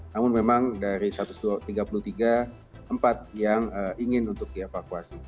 namun memang dari satu ratus tiga puluh tiga empat yang ingin untuk dievakuasi